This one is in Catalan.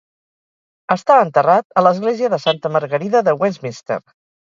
Està enterrat a l'església de Santa Margarida de Westminster.